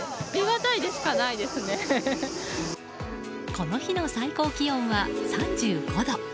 この日の最高気温は３５度。